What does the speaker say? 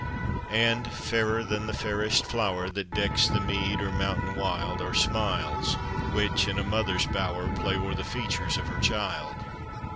And fairer than the fairest flower That decks the mead or mountain wild Are smiles, which, in a mother's bower, Play o'er the features of her child.